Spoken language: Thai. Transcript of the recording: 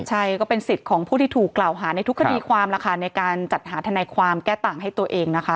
ใช่ก็เป็นสิทธิ์ของผู้ที่ถูกกล่าวหาในทุกคดีความล่ะค่ะในการจัดหาทนายความแก้ต่างให้ตัวเองนะคะ